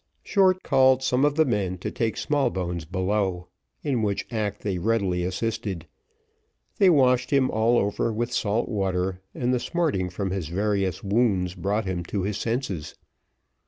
Short called some of the men to take Smallbones below, in which act they readily assisted; they washed him all over with salt water, and the smarting from his various wounds brought him to his senses.